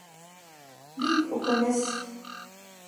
— Бик үкенес.